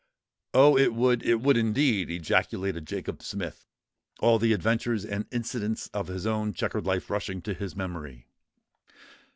"Oh! it would—it would, indeed!" ejaculated Jacob Smith, all the adventures and incidents of his own chequered life rushing to his memory.